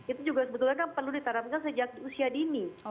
itu juga sebetulnya kan perlu ditanamkan sejak usia dini